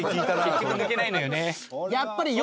結局抜けないのよね。